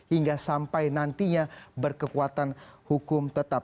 hingga sampai nantinya berkekuatan hukum tetap